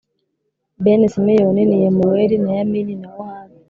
Bene Simeyoni ni Yemuweli na Yamini na Ohadi